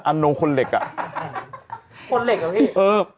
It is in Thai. นงคนเหล็กอ่ะคนเหล็กเหรอพี่เออ